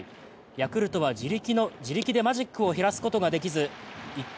ヤクルトは自力でマジックを減らすことができず一方